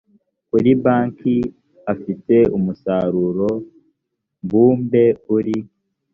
kuri banki afite umusaruro mbumbe uri